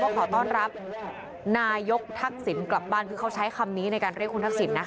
ขอต้อนรับนายกทักษิณกลับบ้านคือเขาใช้คำนี้ในการเรียกคุณทักษิณนะ